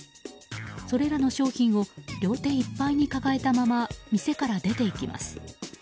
それらの商品を両手いっぱいに抱えたまま店から出ていきます。